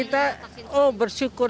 ibu tahu dari mana tersebut bersyukur